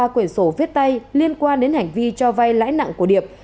ba quyển sổ viết tay liên quan đến hành vi cho vay lãi nặng của điệp